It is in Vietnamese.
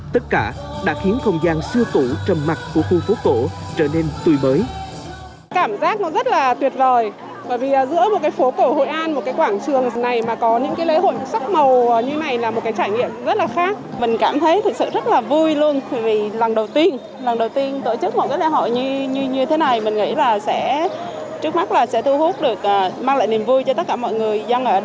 tất cả đã khiến không gian siêu tủ trầm mặt của khu phố cổ trở nên tùy mới